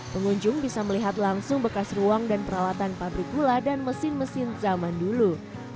pengunjung bisa melihat langsung bekas ruang dan peralatan pabrik gula dan mesin mesin zaman dulu